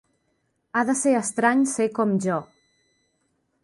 Ha de ser estrany ser com Jo!